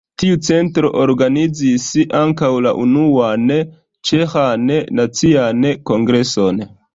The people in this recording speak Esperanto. Tiu centro organizis ankaŭ la unuan ĉeĥan nacian kongreson.